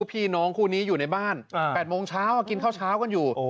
พี่น้องคู่นี้อยู่ในบ้าน๘โมงเช้ากินข้าวเช้ากันอยู่